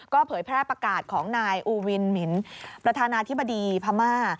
เผยแพร่ประกาศของนายอูวินหมินประธานาธิบดีพม่า